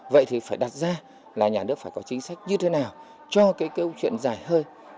vậy thì phải đặt ra là nhà nước phải có chính sách như thế nào cho cái câu chuyện dài hơi